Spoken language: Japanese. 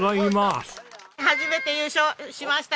初めて優勝しました。